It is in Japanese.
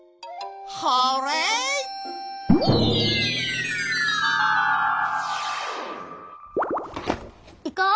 ホーレイ！いこう！